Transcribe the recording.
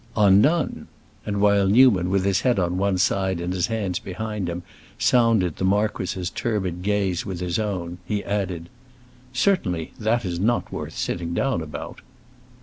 "On none!" And while Newman, with his head on one side and his hands behind him sounded the marquis's turbid gaze with his own, he added, "Certainly, that is not worth sitting down about."